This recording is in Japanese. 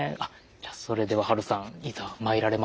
じゃあそれではハルさんいざ参られますか？